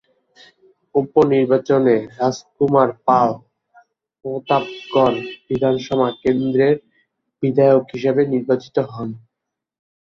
উপনির্বাচনে রাজকুমার পাল প্রতাপগড় বিধানসভা কেন্দ্রের বিধায়ক হিসেবে নির্বাচিত হন।